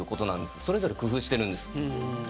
それぞれ工夫しているんです。